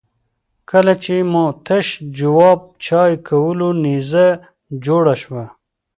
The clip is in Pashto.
کله چې مو تش جواب چای کولو نيزه جوړه شوه.